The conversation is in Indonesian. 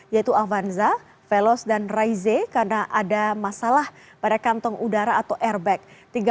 yaitu avanza felos dan raize karena ada masalah pada kantong udara atau airbag